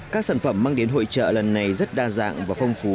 các sản phẩm mang đến hội trợ lần này rất đa dạng và phong phú